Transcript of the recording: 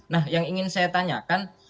nah yang ingin saya tanyakan